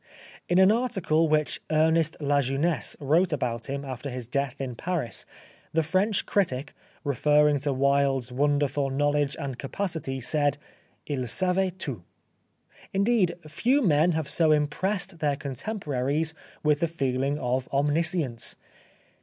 In an article which Ernest La Jeunesse wrote about him after his death in Paris, the French critic referring to Wilde's wonderful knowledge and capacity said : "II savait tout." Indeed, few men have so impressed their con temporaries with the feeling of omniscience.